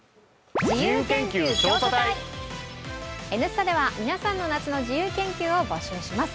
「Ｎスタ」では皆さんの夏の自由研究を募集します。